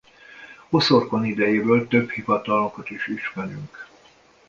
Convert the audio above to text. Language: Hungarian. Oszorkon idejéből több hivatalnokot is ismerünk.